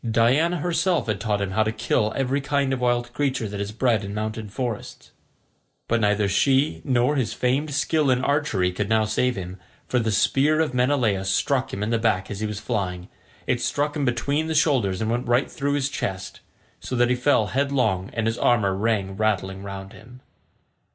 Diana herself had taught him how to kill every kind of wild creature that is bred in mountain forests, but neither she nor his famed skill in archery could now save him, for the spear of Menelaus struck him in the back as he was flying; it struck him between the shoulders and went right through his chest, so that he fell headlong and his armour rang rattling round him.